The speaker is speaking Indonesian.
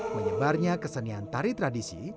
menyebarnya kesenian tari tradisi